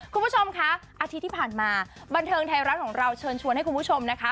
คุณผู้ชมคะอาทิตย์ที่ผ่านมาบันเทิงไทยรัฐของเราเชิญชวนให้คุณผู้ชมนะคะ